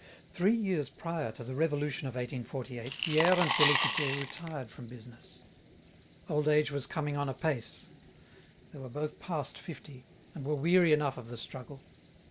Three years prior to the Revolution of 1848 Pierre and Félicité retired from business. Old age was coming on apace; they were both past fifty and were weary enough of the struggle.